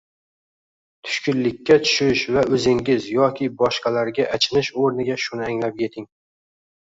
Tushkunlikka tushish va o‘zingiz yoki boshqalarga achinish o‘rniga shuni anglab yeting